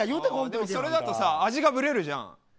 それだと味がぶれるじゃん。